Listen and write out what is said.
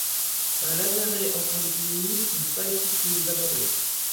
Un lazaret en temps d’épidémie n’eût pas été plus abandonné.